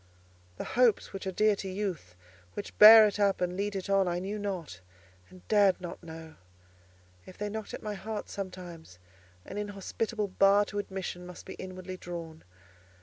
The hopes which are dear to youth, which bear it up and lead it on, I knew not and dared not know. If they knocked at my heart sometimes, an inhospitable bar to admission must be inwardly drawn.